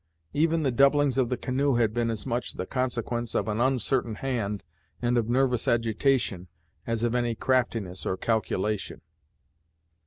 Even the doublings of the canoe had been as much the consequence of an uncertain hand and of nervous agitation, as of any craftiness or calculation.